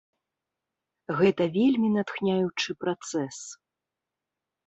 Гэта вельмі натхняючы працэс.